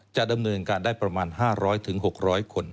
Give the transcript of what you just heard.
จะดำเนินการได้ประมาณ๕๐๐๖๐๐คน